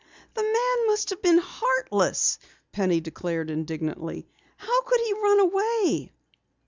"The man must have been heartless!" Penny declared indignantly. "How could he run away?"